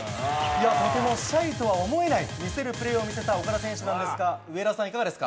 とてもシャイとは思えない魅せるプレーを見せた岡田選手ですが上田さん、いかがですか。